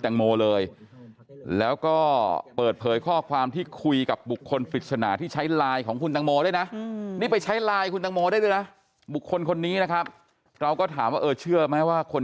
แต่ถ้าแบบแต่ทำไมใช่แต่ปั่นปวน